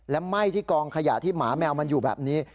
และไหม้ที่กองขยะที่หมาแมวมันอยู่แบบนี้